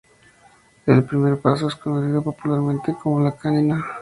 El primer paso es conocido popularmente como "la Canina".